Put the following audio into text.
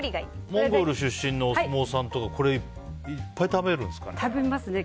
モンゴル出身のお相撲さんとかこれ、いっぱい食べるんですかね。